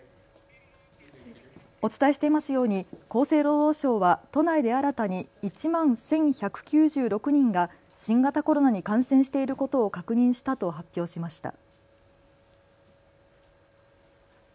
お伝えしていますように厚生労働省は都内で新たに１万１１９６人が新型コロナに感染していることを確認したと発表しました。